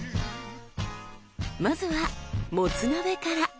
まずはもつ鍋から。